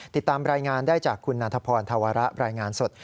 ติดตามรายงานได้จากคุณนันทพรธวระรายงานสด